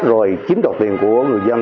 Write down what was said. rồi chiếm đoạt tiền của người dân